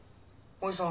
おじさん！